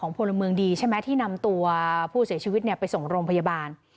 พลเมืองดีใช่ไหมที่นำตัวผู้เสียชีวิตไปส่งโรงพยาบาล